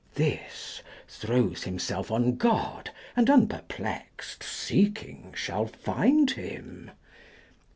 This, throws himself on God, and unperplexed Seeking shall find him.